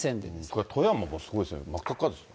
これ、富山もすごいですね、真っ赤っかですね。